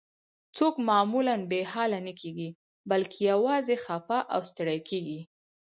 څوک معمولاً بې حاله نه کیږي، بلکې یوازې خفه او ستړي کیږي.